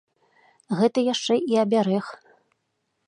Гэта яшчэ і абярэг.